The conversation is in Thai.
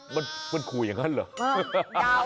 มันขู่อย่างนั้นเหรอ